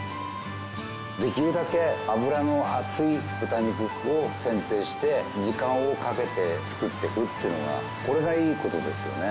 できるだけ脂の厚い豚肉を選定して時間をかけて作っていくっていうのがこれがいい事ですよね。